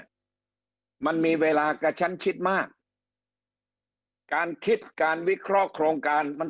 มันมีเวลากระชั้นชิดมากการคิดการวิเคราะห์โครงการมัน